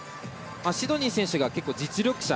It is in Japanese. シドニー選手が実力者。